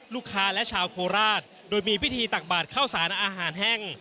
ลูกค้าและชาวโคราชโดยมีพิธีตักบาดข้าวสารอาหารแห้ง